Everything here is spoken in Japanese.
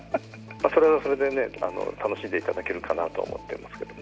それはそれで楽しんでいただけるかなと思っていますけど。